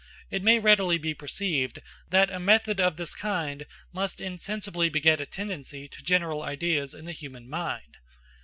It may readily be perceived that a method of this kind must insensibly beget a tendency to general ideas in the human mind.